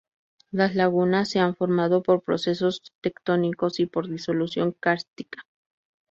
Las lagunas se han formado por procesos tectónicos y por disolución cárstica.